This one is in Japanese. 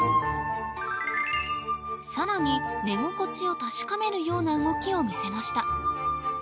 さらに寝心地を確かめるような動きを見せました